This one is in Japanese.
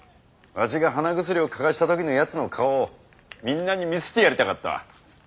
わしが鼻薬をかがせた時のやつの顔をみんなに見せてやりたかったわ。